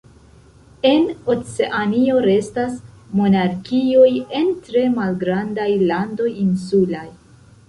En Oceanio restas monarkioj en tre malgrandaj landoj insulaj.